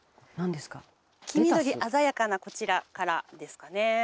黄緑鮮やかなこちらからですかね。